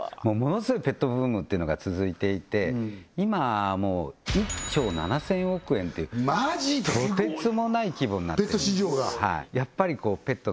スゴいペットブームというのが続いていて今もう１兆７０００億円っていうとてつもない規模になってるペット市場が？